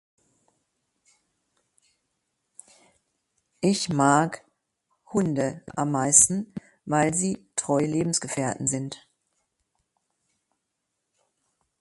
Ich mag Hunde am meisten, weil Sie treue Lebensgefährten sind.